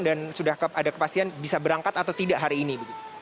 dan sudah ada kepastian bisa berangkat atau tidak hari ini